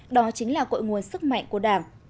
đó chính là cội nguồn sức mạnh của đảng